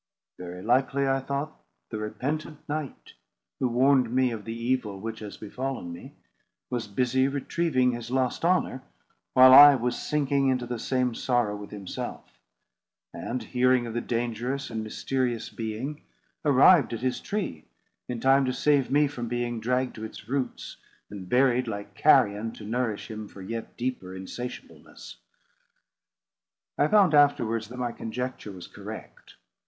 "Very likely," I thought, "the repentant knight, who warned me of the evil which has befallen me, was busy retrieving his lost honour, while I was sinking into the same sorrow with himself; and, hearing of the dangerous and mysterious being, arrived at his tree in time to save me from being dragged to its roots, and buried like carrion, to nourish him for yet deeper insatiableness." I found afterwards that my conjecture was correct.